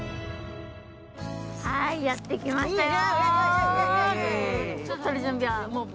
はい、やってきましたよ。